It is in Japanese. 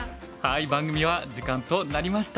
番組は時間となりました。